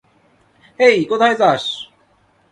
হেই, কোথায় যাস?